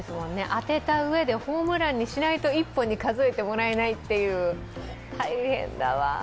当てた上でホームランにしないと１本に数えてもらえないっていう、大変だわ。